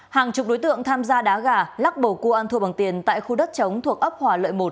hàng chục đối tượng tham gia đá gà lắc bầu cua ăn thua bằng tiền tại khu đất chống thuộc ấp hòa lợi một